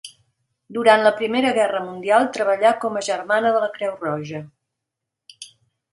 Durant la primera guerra mundial treballà com a germana de la Creu Roja.